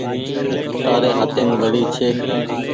تآري هآتيم گھڙي ڇي۔